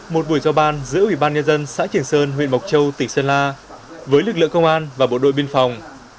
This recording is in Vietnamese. một buổi giao ban giữa ủy ban nhân dân xã trường sơn huyện mộc châu tỉnh sơn la với lực lượng công an và bộ đội biên phòng